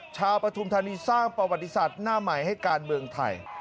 ปฐุมธานีสร้างประวัติศาสตร์หน้าใหม่ให้การเมืองไทย